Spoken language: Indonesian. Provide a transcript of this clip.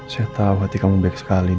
saya tahu hati kamu baik sekali